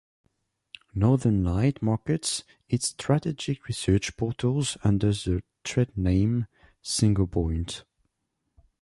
Northern Light markets its strategic research portals under the tradename SinglePoint.